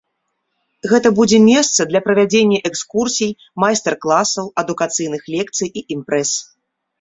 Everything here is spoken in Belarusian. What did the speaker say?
Гэта будзе месца для правядзення экскурсій, майстар-класаў, адукацыйных лекцый і імпрэз.